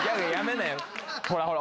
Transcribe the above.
ほらほら。